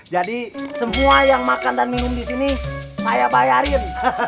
jadi semua yang makan dan minum disini saya bayarin